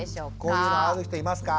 こういうのある人いますか？